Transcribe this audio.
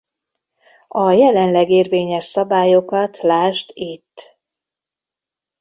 A jelenleg érvényes szabályokat lásd itt!